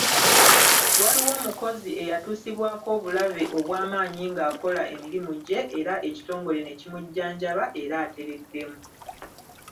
Waliwo omukozi eyatuusibwako obulabe obwamaanyi ng’akola emirimu gye era ekitongole ne kimujjanjaba era atereddemu.